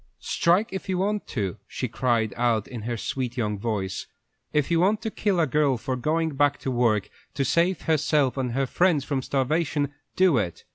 "Strike if you want to," she cried out, in her sweet young voice. "If you want to kill a girl for going back to work to save herself and her friends from starvation, do it.